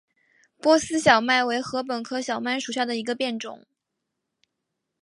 波斯小麦为禾本科小麦属下的一个变种。